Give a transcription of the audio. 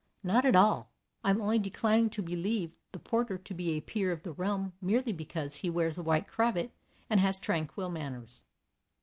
Not at all. I am only declining to believe the porter to be a peer of the realm merely because he wears a white cravat and has tranquil manners.